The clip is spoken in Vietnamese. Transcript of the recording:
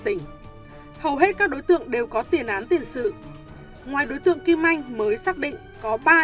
tỉnh hầu hết các đối tượng đều có tiền án tiền sự ngoài đối tượng kim anh mới xác định có ba